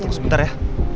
tunggu sebentar ya